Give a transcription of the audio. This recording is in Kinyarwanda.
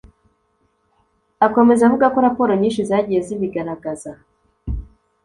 Akomeza avuga ko raporo nyinshi zagiye zibigaragaza